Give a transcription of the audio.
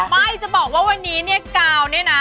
ไม่จะบอกว่าวันนี้เนี่ยกาวเนี่ยนะ